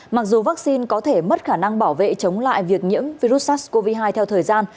mặc dù vaccine có thể mất khả năng bảo vệ chống lại việc nhiễm virus sars cov hai theo thời gian